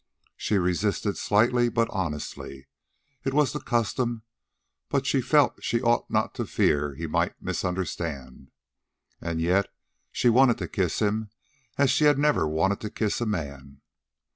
She resisted slightly, but honestly. It was the custom, but she felt she ought not for fear he might misunderstand. And yet she wanted to kiss him as she had never wanted to kiss a man.